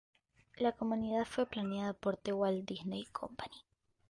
La comunidad fue planeada por The Walt Disney Company.